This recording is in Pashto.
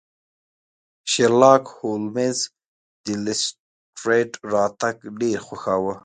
شیرلاک هولمز د لیسټرډ راتګ ډیر خوښاوه.